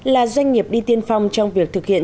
là doanh nghiệp đi tiên phong trong việc thực hiện